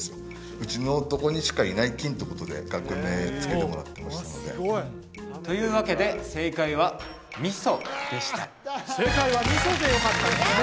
うちのとこにしかいない菌ってことで学名つけてもらってましたのでというわけで正解は「味噌」でした正解は「味噌」でよかったんですね